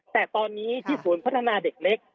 แต่ตอนนี้ที่ศูนย์พัฒนาเด็กเล็ก